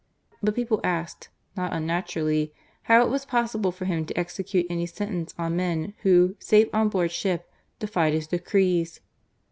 But people asked, not unnaturally, how it was possible for him to execute any sentence on men who, safe on board ship, defied his decrees